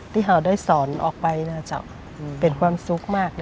ที่เขาได้สอนออกไปน่าจะเป็นความสุขมาก